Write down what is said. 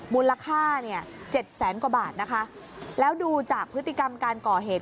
มูลค่าเนี่ยเจ็ดแสนกว่าบาทนะคะแล้วดูจากพฤติกรรมการก่อเหตุ